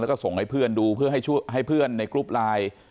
แล้วก็ส่งให้เพื่อนดูเพื่อให้เพื่อนในกรุ๊ปไลน์